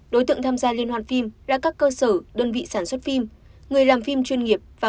đối tượng tham gia liên hoàn phim là các cơ sở đơn vị sản xuất phim người làm phim chuyên nghiệp và